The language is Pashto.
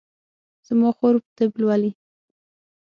زما خور طب لولي